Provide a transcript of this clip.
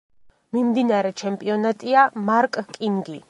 მიმდინარე ჩემპიონატია მარკ კინგი.